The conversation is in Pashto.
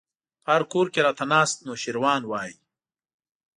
په هر کور کې راته ناست نوشيروان وای